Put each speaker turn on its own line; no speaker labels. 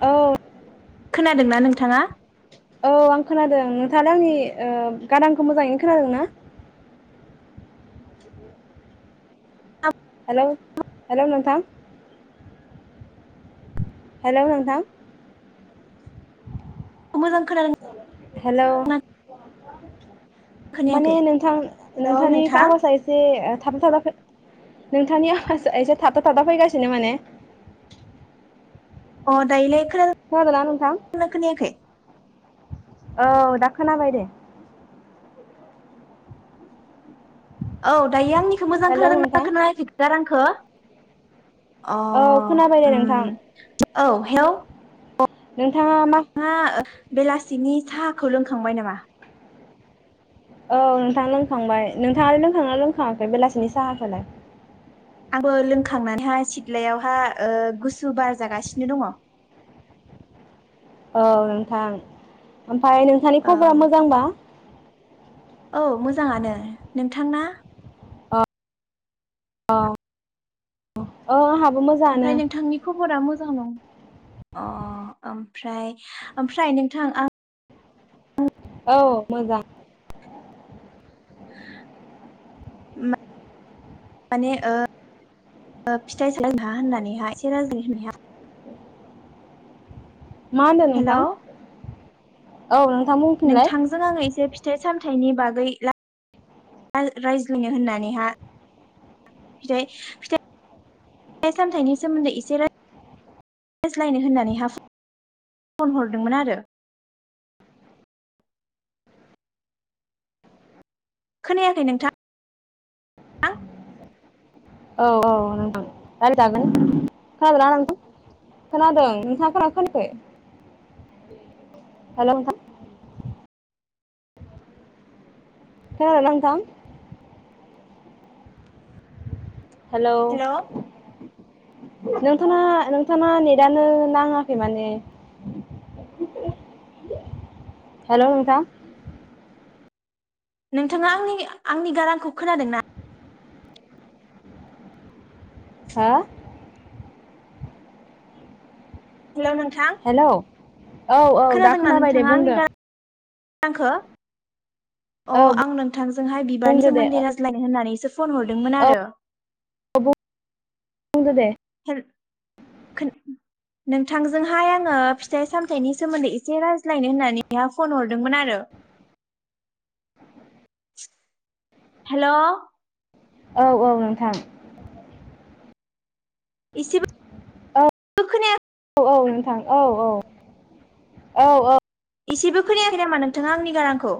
औ
खोनादोंना नोंथाङा
औ आं खोनादों नोंथाङालाय आंनि ओ गारांखौ मोजाङैनो खोनादों ना? हेलौ हेलौ नोंथां हेलौ नोंथां
मोजां खोनादों
हेलौ माने
खोनायाखै
नोंथां
औ
नोंथांनि
नोंथां
आवासा से ओ थाबथा थाबसो नोंथांनि आवासा एसे थाबथा थाबथा फैगासिनो माने
अ दायोलाय खोनाद
खोनादोंना नोंथां?
मोजां खोनायाखै।
औ दा खोनाबाय दे।
औ दायो आंनिखौ मोजां
हेलौ
खोनादों ना
नोंथां
खोनायाखै गारांखो। अ
औ खोनाबाय दे
उम
नोंथां
औ हेवौ।
नोंथाङा मा
थाङा बेलासिनि साहाखौ लोंखांबाय नामा?
औ नोंथां लोंखांबाय नोंथाङालाय लोंखागोना लोंखाङाखै बेलासिनि साहा खौलाय।
आंबो लोंखांनानैहाय सिथ्लायावहा ओ गुसु बार जागासिनो दङ।
औ नोंथां ओमफाय नोंथांनि खबरा मोजां बा।
औ मोजाङानो नोंथां ना?
औ औ आंहाबो मोज
ओमफ्राय नोंथांनि। खबरा मोजां नं अ ओमफ्राय ओमफ्राय नोंथां आं
औ मोजां।
[unintelligible] माने ओ फिथाइ [unintelligible]
मा होनदों नोंथां
हेलौ
औ नोंथां बुंफिनलाय।
जों आं एसे फिथाइ सामथाइनि बागै ला रायज्लायनो होननानैहा। फीथाय फिथाय सामथाइनि सोमोन्दै एसे राय रायज्लायनो होननानै हा फन हरदोंमोन आरो। खोनायाखै नोंथां।
औ औ नोंगौ रायलायजागोन खोनादोंना नोंथां खोनादों नोंथाङा खोनागोना खोनायाखै। हेलौ नोंथां। खोनादोंना नोंथां। हेलौ। नोंथांना नोंथाङा नेटानो नाङाखै माने।
[unintelligible]
हेलौ नोंथां।
नोंथांङा आंनि आंनि गारांखौ खोनादों ना?
हा
हेल' नोंथां।
हेल' औ औ दा खोनाबाय दे बुंदो।
आंखो। अ
औ
आं नोंथांजों हाय बिबारनि
बुंदो दे
सोमोन्दै रायज्लायनो होननानैसो फन हरदोंमोन आरो।
ब बुंदो दे।
हेल नोंथांजोंहाय आंङो फिथाइ सामथायाइनि सोमोन्दै एसे रायज्लायनो होननानै बेहा फन हरदोंमोन आरो। हेल'
औ औ नोंथां।
एसेबो
औ नोंथां औ औ औ।
इसेबो खोनायाखै नामा नोंथांङा आंनि गारांखौ?